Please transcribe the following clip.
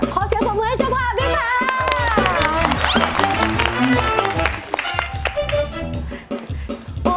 ขอเสียงปรบมือให้เจ้าภาพด้วยค่ะ